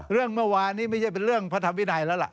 เรื่องเมื่อวานนี้ไม่ใช่เป็นเรื่องพระธรรมวินัยแล้วล่ะ